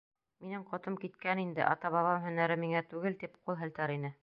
Минең ҡотом киткән инде, ата-бабам һөнәре миңә түгел, тип ҡул һелтәр ине.